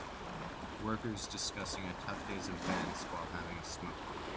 Workers discussing a tough days events while having a smoke.